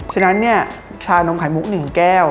ฉะนั้นเนี่ยชานมไข่มุก๑แก้ว